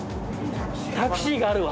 タクシーがあるわ。